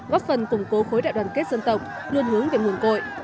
góp phần củng cố khối đại đoàn kết dân tộc luôn hướng về nguồn cội